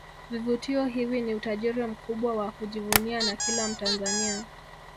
Vivutio hivi ni utajiri mkubwa wa kujivunia na kila Mtanzania